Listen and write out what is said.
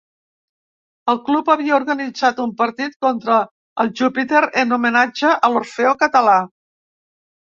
El club havia organitzat un partit contra el Júpiter en homenatge a l'Orfeó Català.